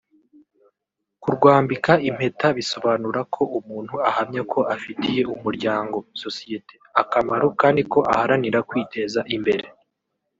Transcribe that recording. Kurwambika impeta bisobanura ko umuntu ahamya ko afitiye umuryango (sosiyete) akamaro kandi ko aharanira kwiteza imbere